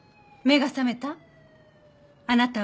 目が覚めた？